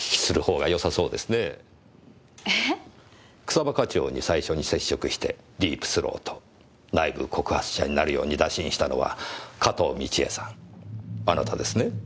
草葉課長に最初に接触してディープ・スロート内部告発者になるように打診したのは加東倫恵さんあなたですね？